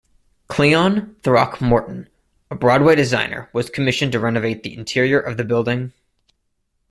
Cleon Throckmorten, a Broadway designer, was commissioned to renovate the interior of the building.